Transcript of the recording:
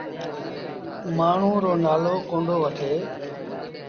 مآڻهوٚݩ رو نآلو ڪوندو وٺي۔